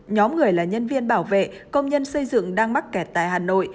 nhóm người là nhân viên bảo vệ công nhân xây dựng đang mắc kẹt tại hà nội